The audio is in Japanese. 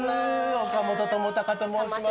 岡本知高と申します。